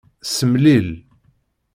Semlil.